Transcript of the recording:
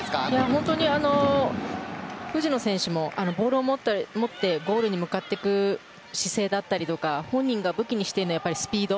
本当に藤野選手もボールを持ってゴールに向かっていく姿勢だったりとか本人が武器にしているのはスピード。